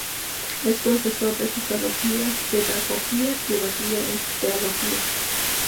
Es profesor de Filosofía y Pedagogía y Bachiller en Teología.